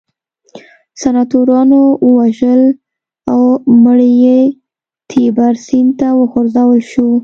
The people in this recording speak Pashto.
سناتورانو ووژل او مړی یې تیبر سیند ته وغورځول شو